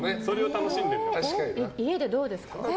家でどうですか？